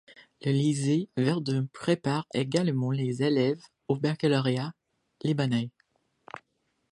Le lycée Verdun prépare également les élèves au baccalauréat libanais.